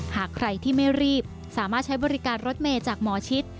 หากใครที่ไม่รีบสามารถใช้บริการรถเมย์จากหมอชิด